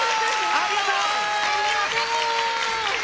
ありがとち！